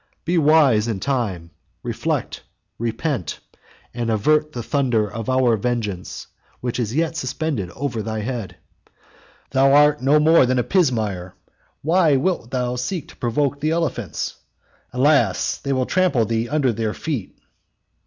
Be wise in time; reflect; repent; and avert the thunder of our vengeance, which is yet suspended over thy head. Thou art no more than a pismire; why wilt thou seek to provoke the elephants? Alas! they will trample thee under their feet."